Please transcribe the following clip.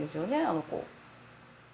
あの子。